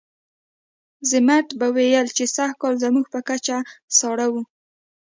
ضمټ به ویل چې سږکال زموږ په کوڅه کې ساړه وو.